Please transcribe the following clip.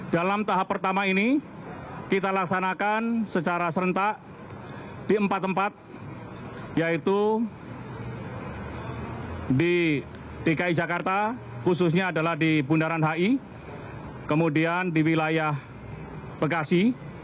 dalam tahap pertama ini kita laksanakan secara serentak di empat tempat yaitu di dki jakarta khususnya adalah di bundaran hi kemudian di wilayah bekasi